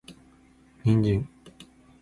人参